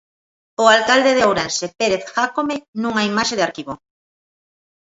O alcalde de Ourense, Pérez Jácome, nunha imaxe de arquivo.